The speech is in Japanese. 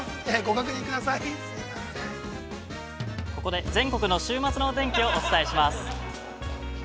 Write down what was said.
◆ここで全国の週末のお天気をお伝えします。